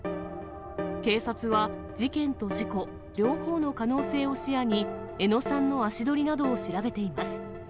警察は、事件と事故、両方の可能性を視野に、江野さんの足取りなどを調べています。